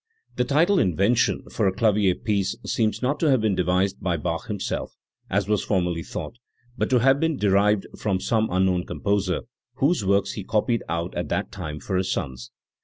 The title * 'Invention" for a clavier piece seems not to have been devised by Bach himself, as was formerly thought, but to have been derived from some unknown composer whose works he copied out at that time for his sons *.